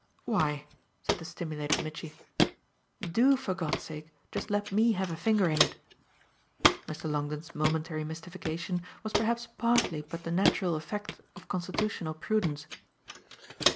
"Why," said the stimulated Mitchy, "do, for God's sake, just let me have a finger in it." Mr. Longdon's momentary mystification was perhaps partly but the natural effect of constitutional prudence.